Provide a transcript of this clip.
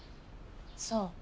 そう。